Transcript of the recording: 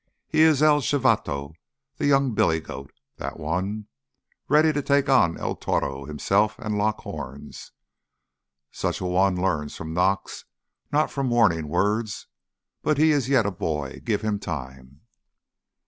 "He is el chivato—the young billy goat—that one. Ready to take on el toro himself and lock horns. Such a one learns from knocks, not from warning words. But he is yet a boy. Give him time."